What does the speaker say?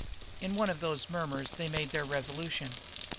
In one of those murmurs they made their resolution.